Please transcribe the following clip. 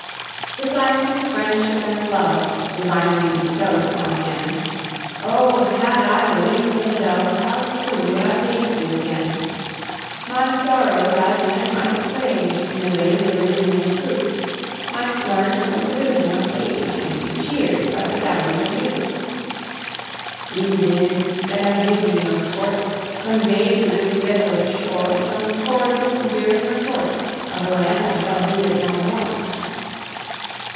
Society, Friendship, and Love, Divinely bestow'd upon man, Oh, had I the wings of a dove, How soon would I taste you again! My sorrows I then might assuage In the ways of religion and truth, Might learn from the wisdom of age, And be cheer'd by the sallies of youth. Ye winds that have made me your sport, Convey to this desolate shore Some cordial endearing report Of a land I shall visit no more!